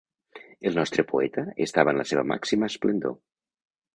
El nostre poeta estava en la seva màxima esplendor.